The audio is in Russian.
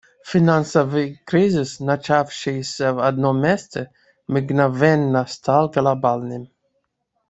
Финансовый кризис, начавшийся в одном месте, мгновенно стал глобальным.